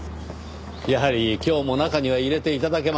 やはり今日も中には入れて頂けませんか。